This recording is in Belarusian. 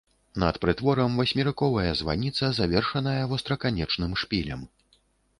Над прытворам васьмерыковая званіца, завершаная востраканечным шпілем.